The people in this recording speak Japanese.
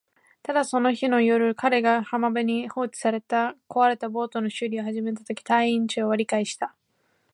ただ、その日の夜、彼が海辺に放置された壊れたボートの修理を始めたとき、隊員達は理解した